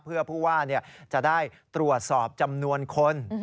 เพื่อผู้ว่าจะได้ตรวจสอบจำนวนคน